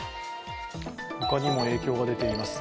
他にも影響が出ています。